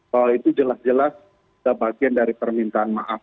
kalau itu jelas jelas sebagian dari permintaan maaf